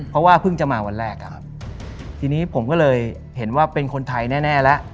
เพราะว่าเพิ่งจะมาวันแรกอะครับทีนี้ผมก็เลยเห็นว่าเป็นคนไทยแน่แน่แล้ว